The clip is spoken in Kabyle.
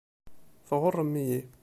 Tɣuṛṛem-iyi.